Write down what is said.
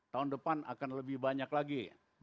tahun depan akan lebih banyak lagi